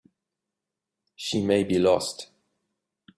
She may be lost.